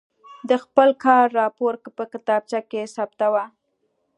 د خپل کار راپور په کتابچه کې ثبتاوه.